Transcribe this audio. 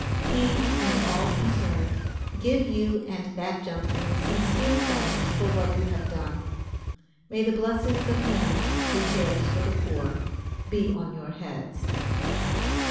He, and all concerned, give you and that gentleman sincere thanks for what you have done. May the blessings of Him, who cares for the poor, be on your heads.